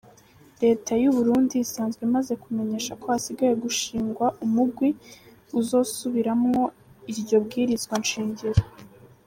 Leta y'Uburundi isanzwe imaze kumenyesha ko hagiye gushingwa umugwi uzosubiramwo iryo bwirizwa nshingiro.